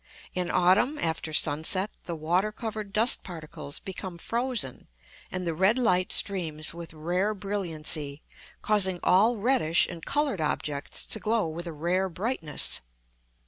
In autumn, after sunset, the water covered dust particles become frozen and the red light streams with rare brilliancy, causing all reddish and coloured objects to glow with a rare brightness.